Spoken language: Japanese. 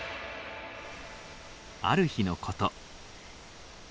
ある日のこと。